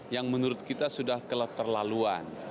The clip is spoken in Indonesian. yang menurut kita sudah keterlaluan